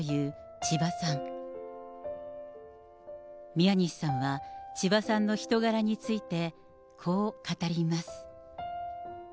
宮西さんは千葉さんの人柄について、こう語ります。